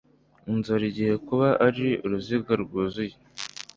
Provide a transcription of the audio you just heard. INZORA igihe kuba ari uruziga rwuzuye